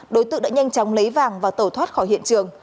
đối tượng đã nhanh chóng lấy vàng và tẩu thoát khỏi hiện trường